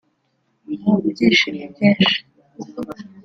Mu byishimo byinshi